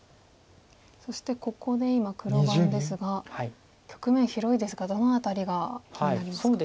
そしてここで今黒番ですが局面広いですがどの辺りが気になりますか？